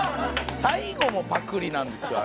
最後もパクリなんですよあれ。